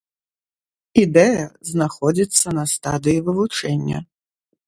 Ідэя знаходзіцца на стадыі вывучэння.